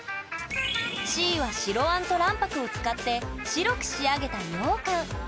Ｃは白あんと卵白を使って白く仕上げたようかん。